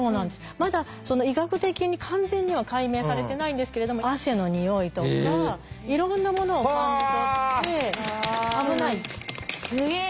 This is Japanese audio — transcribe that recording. まだ医学的に完全には解明されてないんですけれども汗のにおいとかいろんなものを感じ取って「危ない」って。